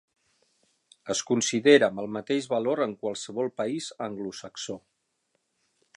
Es considera amb el mateix valor en qualsevol país anglosaxó.